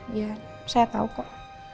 iya saya tau kok